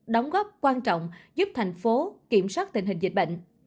đóng góp quan trọng giúp thành phố kiểm soát tình hình dịch bệnh